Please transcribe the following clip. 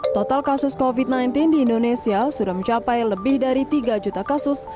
total kasus covid sembilan belas di indonesia sudah mencapai lebih dari tiga juta kasus